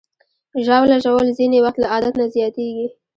ژاوله ژوول ځینې وخت له عادت نه زیاتېږي.